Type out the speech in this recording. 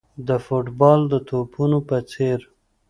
د فوټبال د توپونو په څېر.